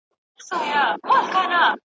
ستاسو خوږو مینوالو سره شریکوم